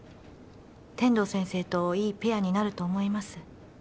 天堂先生といいペアになると思います